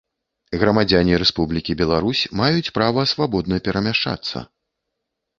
Грамадзяне Рэспублікі Беларусь маюць права свабодна перамяшчацца.